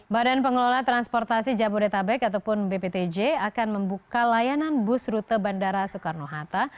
badan pengelola transportasi jabodetabek ataupun bptj akan membuka layanan bus rute bandara soekarno hatta